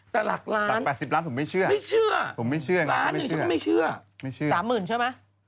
แต่หลักร้านไม่เชื่อร้านหนึ่งฉันไม่เชื่อไม่เชื่อ